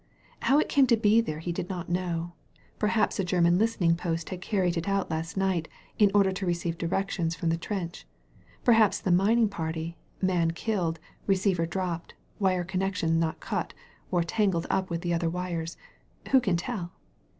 How it came to be there he did not know. Perhaps a German listening post had carried it out last night, in order to receive directions from the trench; perhaps the mining party — ^man killed, re ceiver dropped, wire connection not cut, or tangled up with other wires — ^who can tell?